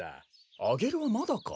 アゲルはまだか？